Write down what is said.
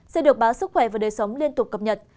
sẽ được báo sức khỏe và đời sống liên tục cập nhật